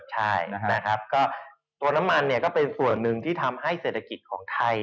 ใช่ตัวน้ำมันก็เป็นส่วนหนึ่งที่ทำให้เศรษฐกิจของไทย